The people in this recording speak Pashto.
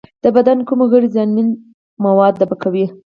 د بدن کوم غړي زیانمن مواد دفع کوي؟